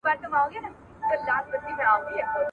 د زمان پر مېچن ګرځو له دورانه تر دورانه ..